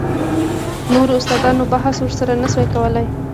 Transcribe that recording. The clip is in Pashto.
نورو استادانو بحث ورسره نه سو کولاى.